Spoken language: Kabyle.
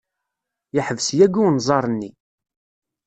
Yeḥbes yagi unẓar-nni.